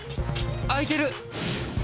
空いてる！